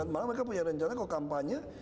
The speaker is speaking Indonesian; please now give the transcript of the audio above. malah mereka punya rencana kalau kampanye